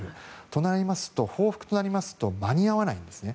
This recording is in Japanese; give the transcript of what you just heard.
となりますと報復となりますと間に合わないんですね。